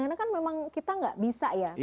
karena kan memang kita enggak bisa ya